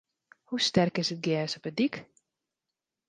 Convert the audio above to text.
Hoe sterk is it gjers op de dyk?